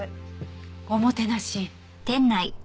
おもてなし。